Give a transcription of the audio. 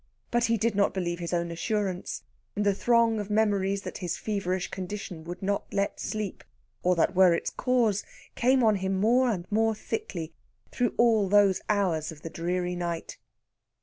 But he did not believe his own assurance, and the throng of memories that his feverish condition would not let sleep, or that were its cause, came on him more and more thickly through all those hours of the dreary night.